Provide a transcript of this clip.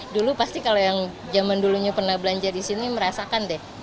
dulu pasti kalau yang zaman dulunya pernah belanja di sini merasakan deh